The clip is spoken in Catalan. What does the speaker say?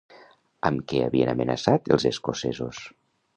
Amb què havien amenaçat els escocesos?